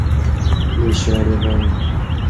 Min käre vän!